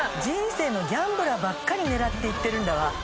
人生のギャンブラーばっかり狙っていってるんだわ。